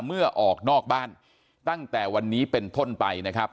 เมื่อออกนอกบ้านตั้งแต่วันนี้เป็นต้นไปนะครับ